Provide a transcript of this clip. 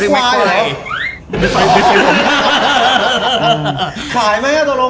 แมคไว